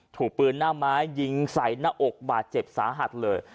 ถูกปืนหน้าไม้ยิงใส่หน้าอกบาดเจ็บสาหัสเลย